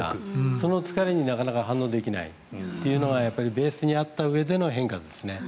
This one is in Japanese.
その疲れになかなか反応できないというのがベースにあったうえでの変化です。